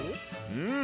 うん。